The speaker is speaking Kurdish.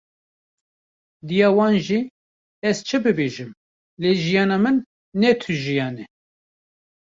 Diya wan jî: Ez çi bibêjim, lê jiyana min, ne tu jiyan e.”